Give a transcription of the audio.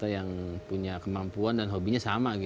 yang punya kemampuan dan hobinya sama